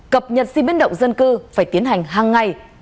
cập nhật di biến động dân cư phải tiến hành hàng ngày